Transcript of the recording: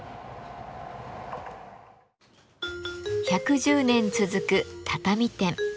１１０年続く畳店。